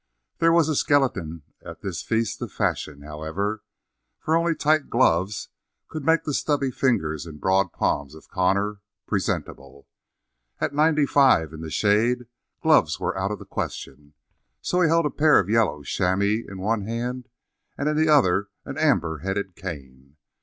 There was a skeleton at this Feast of Fashion, however, for only tight gloves could make the stubby fingers and broad palms of Connor presentable. At ninety five in the shade gloves were out of the question, so he held a pair of yellow chamois in one hand and in the other an amber headed cane.